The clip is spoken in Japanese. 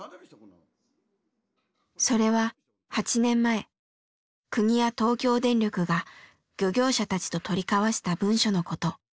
それは８年前国や東京電力が漁業者たちと取り交わした文書のこと。